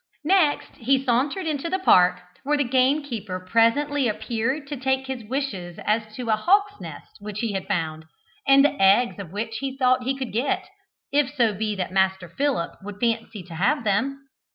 Next he sauntered into the park, where the gamekeeper presently appeared to take his wishes as to a hawk's nest which he had found, and the eggs of which he thought he could get, if so be that Master Philip would fancy to have them.